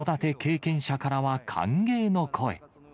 子育て経験者からは歓迎の声。